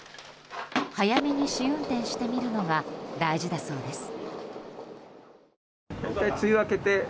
早めに試運転してみるのが大事だそうです。